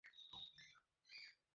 হ্যাঁ, তাই তো!